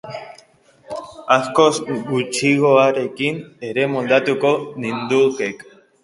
Askoz gutxiagoarekin ere moldatuko nindukek.